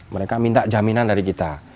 mereka minta jaminan dari kita